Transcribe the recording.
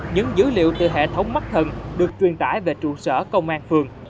những dữ liệu từ hệ thống mắt thần được truyền tải về trụ sở công an phường